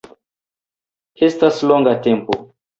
Estas longa tempo